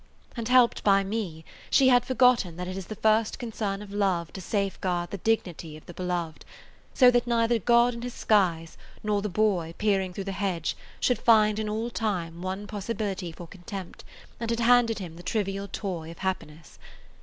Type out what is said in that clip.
And helped by me, she had forgotten that it is the first concern of love to safeguard the dignity of the beloved, so that neither God in his skies nor the boy peering through the hedge should find in all time one possibility for contempt, and had handed him the trivial toy of happiness.